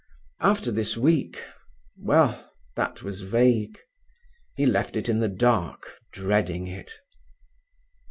After this week—well, that was vague. He left it in the dark, dreading it.